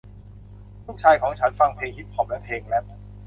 ลูกชายของฉันฟังเพลงฮิพฮอพและเพลงแรพ